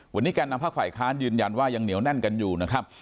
วันนี้แก่นำภาคฝ่ายค้านยืนยันว่ายังเหนียวแน่นกันอยู่นะครับ